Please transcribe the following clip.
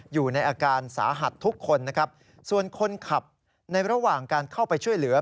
อยู่ในอาการสาหัสทุกคนนะครับส่วนคนขับในระหว่างการเข้าไปช่วยเหลือ